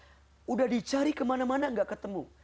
sudah dicari kemana mana gak ketemu